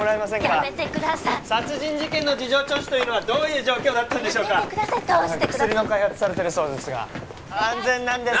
やめてください殺人事件の事情聴取というのはどういう状況だったんでしょうかやめてください通してください薬の開発されてるそうですが安全なんですか？